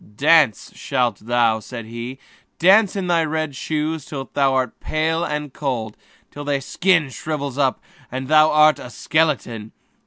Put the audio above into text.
"Dance you shall," said he, "dance in your red shoes till you are pale and cold, till your skin shrivels up and you are a skeleton!